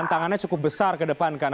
tantangannya cukup besar ke depan kan